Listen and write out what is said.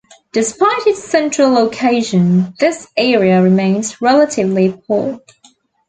Despite its central location, this area remains relatively poor.